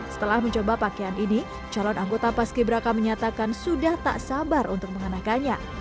setelah mencoba pakaian ini calon anggota paski braka menyatakan sudah tak sabar untuk mengenakannya